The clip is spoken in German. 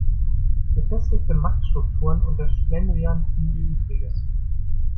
Gefestigte Machtstrukturen und der Schlendrian tun ihr Übriges.